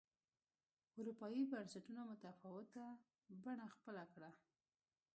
اروپایي بنسټونو متفاوته بڼه خپله کړه